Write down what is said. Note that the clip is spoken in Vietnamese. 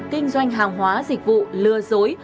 kinh doanh hàng hóa dịch vụ lừa dối